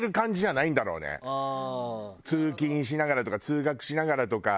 通勤しながらとか通学しながらとか。